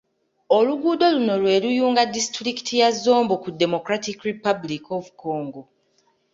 Oluguudo luno lwe luyunga disitulikiti ya Zombo ku Democratic Republic of Congo.